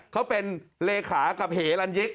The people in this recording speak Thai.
เพราะเป็นหลีคากับเหรราณยิค